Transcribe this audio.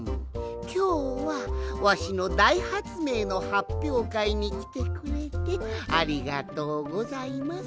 きょうはわしのだいはつめいのはっぴょうかいにきてくれてありがとうございます。